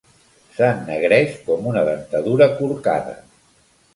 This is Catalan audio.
S'ennegreix com una dentadura corcada.